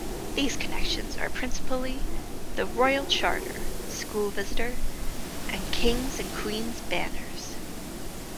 These connections are principally The Royal Charter, School Visitor, and King's and Queen's Banners.